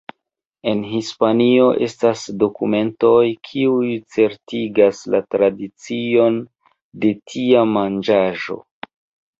En Hispanio estas dokumentoj kiuj certigas la tradicion de tia manĝaĵo.